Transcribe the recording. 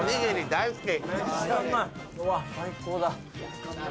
大好き。